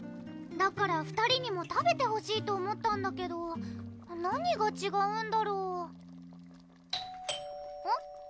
だから２人にも食べてほしいと思ったんだけど何がちがうんだろう？・・うん？